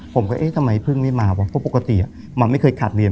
ผมก็เอ๊ะทำไมเพิ่งไม่มาวะเพราะปกติมันไม่เคยขาดเรียน